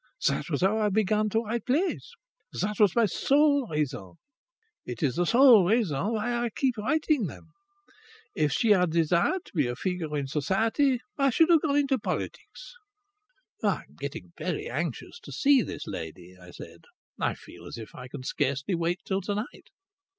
That was how I began to write plays. That was my sole reason. It is the sole reason why I keep on writing them. If she had desired to be a figure in Society I should have gone into politics." "I am getting very anxious to see this lady," I said. "I feel as if I can scarcely wait till to night."